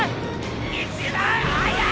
一番速い！